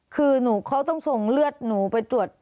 คือเขาต้องส่งเลือดหนูไปตรวจ